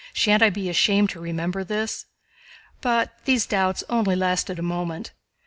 Shan't I be ashamed to remember this?" But these doubts only lasted a moment.